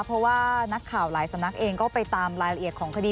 เพราะว่านักข่าวหลายสำนักเองก็ไปตามรายละเอียดของคดี